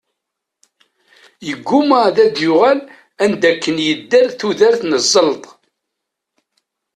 Yegguma ad d-yuɣal anda akken i yedder tudert n zzelṭ.